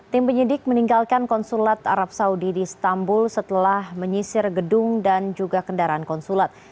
tim penyidik meninggalkan konsulat arab saudi di istanbul setelah menyisir gedung dan juga kendaraan konsulat